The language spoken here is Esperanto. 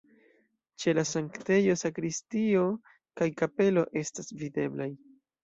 Ĉe la sanktejo sakristio kaj kapelo estas videblaj.